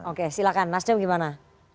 oke silahkan nasdem gimana